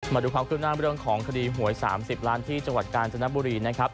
มาดูความขึ้นหน้าเรื่องของคดีหวย๓๐ล้านที่จังหวัดกาญจนบุรีนะครับ